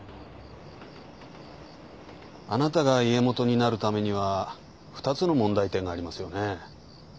あなたが家元になるためには二つの問題点がありますよね。